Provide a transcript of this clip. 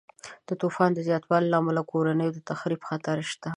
د طوفانونو د زیاتوالي له امله د کورنیو د تخریب خطر شته.